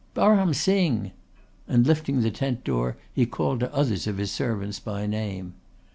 "Baram Singh!" and lifting the tent door he called to others of his servants by name.